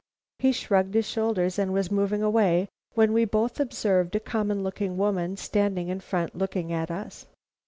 He shrugged his shoulders and was moving away when we both observed a common looking woman standing in front looking at us.